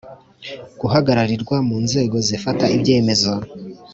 Guhagararirwa mu nzego zifata ibyemezo